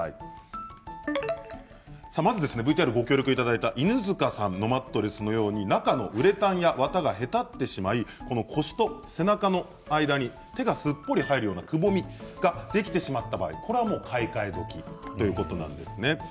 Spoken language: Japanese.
ＶＴＲにご協力いただいた犬塚さんのマットレスのように中のウレタンや綿がへたってしまい腰と背中の間に、手がすっぽり入るようなくぼみができてしまった場合これは買い替え時ということなんですね。